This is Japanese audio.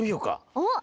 おっ！